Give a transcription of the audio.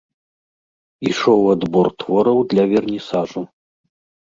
Ішоў адбор твораў для вернісажу.